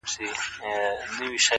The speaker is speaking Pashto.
دا نامرده چي په ځان داسي غره دی.